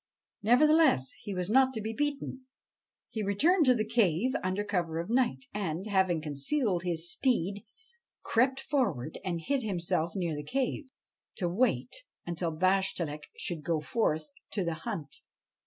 Nevertheless he was not to be beaten. He returned to the cave under cover of night, and, having concealed his steed, crept forward and hid himself near the cave, to wait until Bashtchelik should go forth to the hunt.